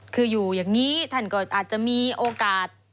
คืออยู่อย่างนี้ท่านก็อาจจะมีโอกาส